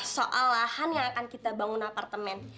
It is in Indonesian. soal lahan yang akan kita bangun apartemen